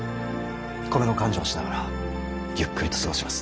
米の勘定をしながらゆっくりと過ごします。